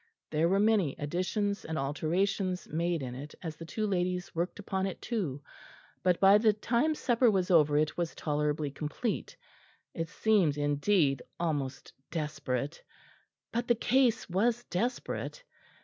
There were many additions and alterations made in it as the two ladies worked upon it too, but by the time supper was over it was tolerably complete. It seemed, indeed, almost desperate, but the case was desperate.